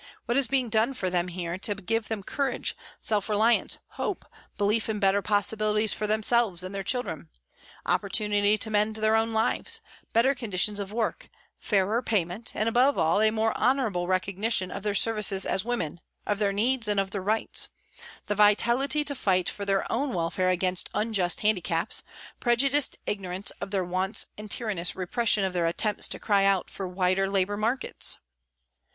What is being done for them here to give them courage, self reliance, hope, belief in better possibilities for themselves and their children, 134 PRISONS AND PRISONERS opportunity to mend their own lives, better con ditions of work, fairer payment, and above all a more honourable recognition of their services as women, of their needs, and of their rights ; the vitality to fight for their own welfare against unjust handicaps, prejudiced ignorance of their wants and tyrannous repression of their attempts to cry out for wider labour markets